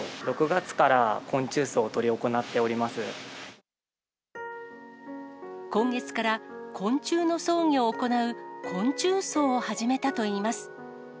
６月から昆虫葬を執り行っており今月から、昆虫の葬儀を行う、昆虫葬を始めたといいます。